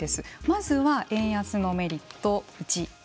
まずは円安のメリット